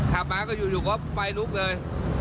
ขับมาก็อยู่ก็ไฟลุกเลย